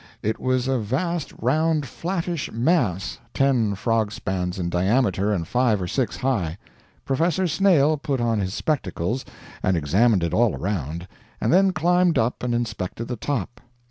It was a vast round flattish mass, ten frog spans in diameter and five or six high. Professor Snail put on his spectacles and examined it all around, and then climbed up and inspected the top.